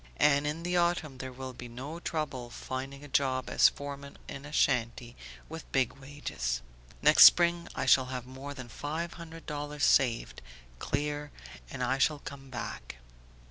And in the autumn there will be no trouble finding a job as foreman in a shanty, with big wages. Next spring I shall have more than five hundred dollars saved, clear, and I shall come back...